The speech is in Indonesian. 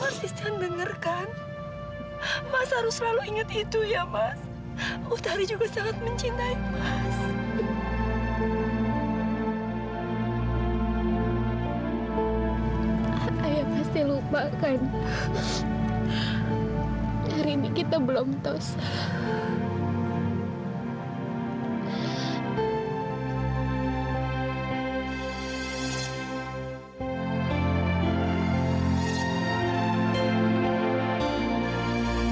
artisan dengerkan masa harus selalu ingat itu ya mas udhari juga sangat mencintai mas